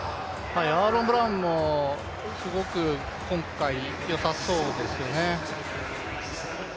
アーロン・ブラウンもすごく今回よさそうですよね。